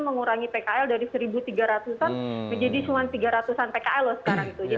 mengurangi pkl dari seribu tiga ratus an menjadi cuman tiga ratus an pkl loh sekarang itu jadi